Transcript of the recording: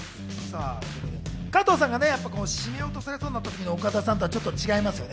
加藤さんが絞め落とされそうになったときの岡田さんとちょっと違いますね。